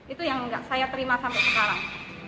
itu yang saya terima sampai sekarang